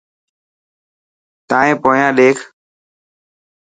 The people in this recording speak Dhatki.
تائن پونيان ڏيک.